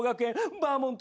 バーモント。